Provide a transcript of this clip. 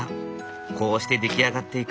こうして出来上がっていく。